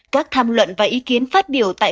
các tham luận và ý kiến phát biểu tại